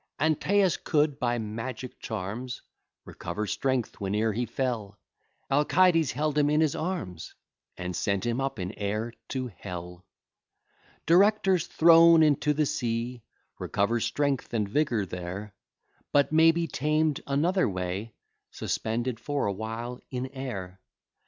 Antæus could, by magic charms, Recover strength whene'er he fell; Alcides held him in his arms, And sent him up in air to Hell. Directors, thrown into the sea, Recover strength and vigour there; But may be tamed another way, Suspended for a while in air.